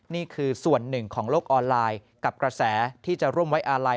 นี่คือส่วนหนึ่งของโลกออนไลน์กับกระแสที่จะร่วมไว้อาลัย